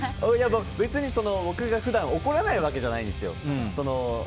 別に僕が普段怒らないわけじゃないんですよ。